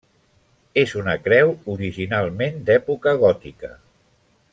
És una creu originalment d'època gòtica.